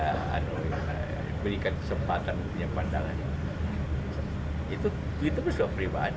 kita harus memberikan kesempatan untuk punya pandangannya